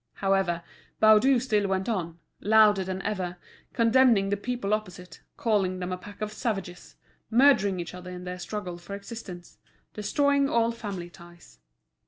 However, Baudu still went on, louder than ever, condemning the people opposite, calling them a pack of savages, murdering each other in their struggle for existence, destroying all family ties.